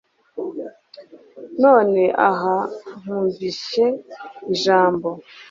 none aha nkumvishe ijambo